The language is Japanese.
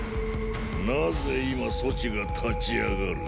なぜ今そちが立ち上がる。